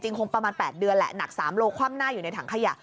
คงประมาณ๘เดือนแหละหนัก๓โลคว่ำหน้าอยู่ในถังขยะ